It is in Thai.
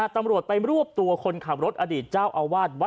ตำรวจไปรวบตัวคนขับรถอดีตเจ้าอาวาสวัด